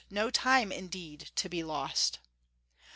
No time indeed to be lost."